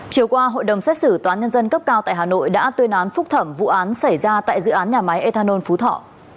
chiều qua hội đồng xét xử tòa nhân dân cấp cao tại hà nội đã tuyên án phúc thẩm vụ án xảy ra tại dự án nhà máy ethanol phú thọ